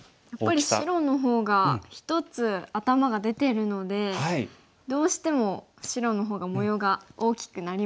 やっぱり白の方が一つ頭が出てるのでどうしても白の方が模様が大きくなりますね。